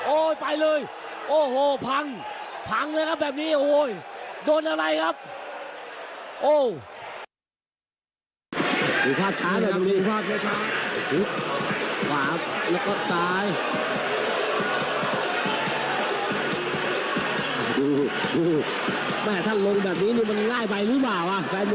ไปเลยโอ้โหพังพังเลยครับแบบนี้โอ้โหโดนอะไรครับ